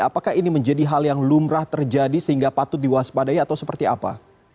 apakah ini menjadi hal yang lumrah terjadi sehingga patut diwaspadai atau seperti apa